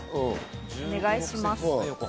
お願いします。